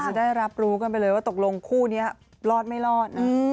ได้รับรู้กันไปเลยว่าตกลงคู่นี้รอดไม่รอดนะ